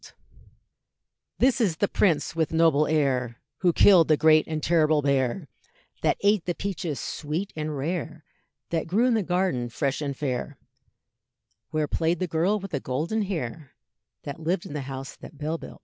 This is the prince with noble air, Who killed the great and terrible bear, That ate the peaches sweet and rare, That grew in the garden fresh and fair, Where played the girl with the golden hair, That lived in the house that Bell built.